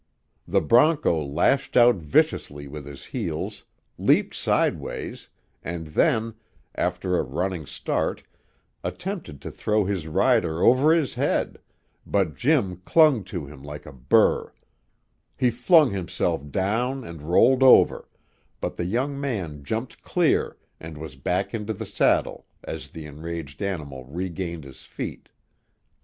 The bronco lashed out viciously with his heels, leaped sidewise, and then, after a running start, attempted to throw his rider over his head, but Jim clung to him like a burr; he flung himself down and rolled over, but the young man jumped clear and was back into the saddle as the enraged animal regained his feet.